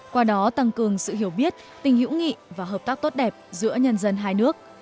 qua đó tăng cường sự hiểu biết tình hữu nghị và hợp tác tốt đẹp giữa nhân dân hai nước